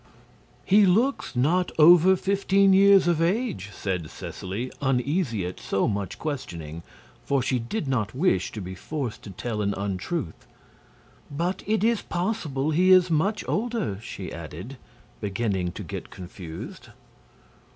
"He looks not over fifteen years of age," said Seseley, uneasy at so much questioning, for she did not wish to be forced to tell an untruth. "But it is possible he is much older," she added, beginning to get confused.